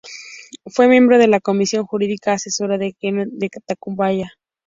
Fue miembro de la Comisión Jurídica Asesora de la Generalitat de Catalunya.